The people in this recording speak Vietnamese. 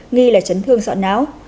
nghi là chấn thương sọ náo